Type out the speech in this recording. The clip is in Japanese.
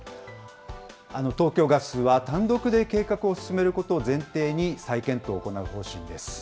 東京ガスは、単独で計画を進めることを前提に再検討を行う方